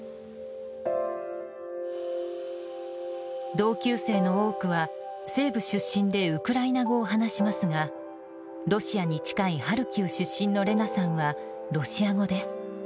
同級生の多くは西部出身でウクライナ語を話しますがロシアに近いハルキウ出身のレナさんはロシア語です。